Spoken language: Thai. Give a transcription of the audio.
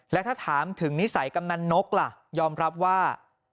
และถ้าถามถึงนิสัยกำนันนกล่ะยอมรับว่า